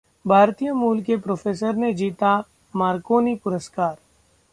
भारतीय मूल के प्रोफेसर ने जीता मारकोनी पुरस्कार